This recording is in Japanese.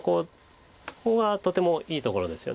ここはとてもいいところですよね。